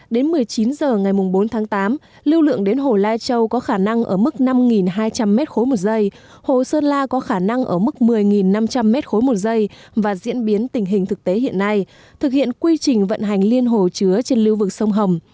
đến một mươi chín h ngày bốn tháng tám lưu lượng đến hồ lai châu có khả năng ở mức năm hai trăm linh m ba một giây hồ sơn la có khả năng ở mức một mươi năm trăm linh m ba một giây và diễn biến tình hình thực tế hiện nay thực hiện quy trình vận hành liên hồ chứa trên lưu vực sông hồng